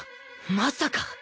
まさか